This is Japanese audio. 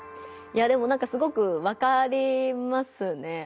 いやでもなんかすごくわかりますね。